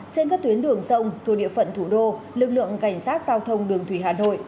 trên các tuyến đường sông thu địa phận thủ đô lực lượng cảnh sát giao thông đường thủy hà nội